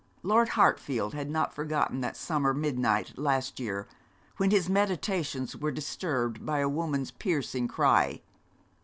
Lord Hartfield had not forgotten that summer midnight last year, when his meditations were disturbed by a woman's piercing cry.